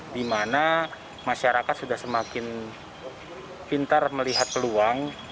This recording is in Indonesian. di mana masyarakat sudah semakin pintar melihat peluang